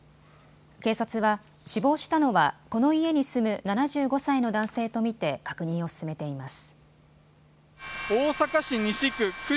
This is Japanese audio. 警察は死亡したのはこの家に住む７５歳の男性と見て確認を進めています。